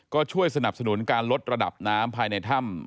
ก็ช่วยสนับสนุนการลดระดับน้ำภายในถ้ำ